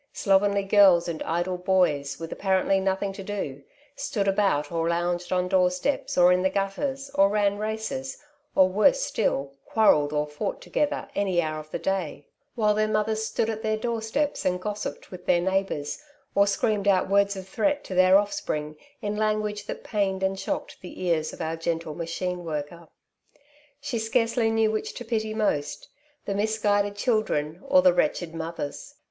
Slovenly girls and idle boys, with apparently nothing to do, stood about, or lounged on doorsteps or in the gutters, or ran races, or worse still, quarrelled or fought together any hour of the day; while their mothers stood at their doorsteps and gossiped with their neighbours, or screamed out words of threat to their oflTspring in language that pained and shocked the ears of our gentle machine worker. She scarcely knew which to pity most, the misguided children, or the wretched mothers.